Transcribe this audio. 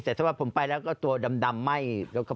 แต่ถ้าว่าผมไปแล้วก็ตัวดำไหม้